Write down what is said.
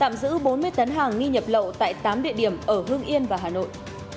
phần tiếp theo của bản tin tạm giữ bốn mươi tấn hàng nghi nhập lậu tại tám địa điểm ở hương yên và hà nội